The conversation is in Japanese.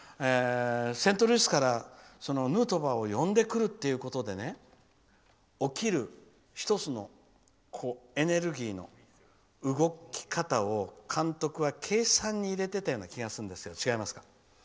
セントルイスからヌートバーを呼んでくるということで起きる１つのエネルギーの動き方を監督は計算に入れてたような気がするんですけど違いますか？